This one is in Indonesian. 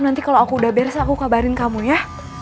nanti kalau aku udah beres aku kabarin kamu ya